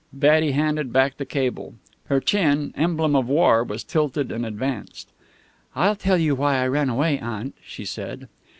Betty handed back the cable. Her chin, emblem of war, was tilted and advanced. "I'll tell you why I ran away, Aunt," she said.